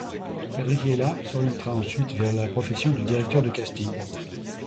Patrick Hella s'orientera ensuite vers la profession de directeur de casting.